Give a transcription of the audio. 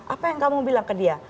apa yang kamu bilang ke dia